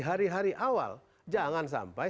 hari hari awal jangan sampai